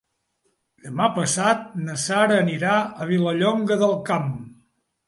Demà passat na Sara anirà a Vilallonga del Camp.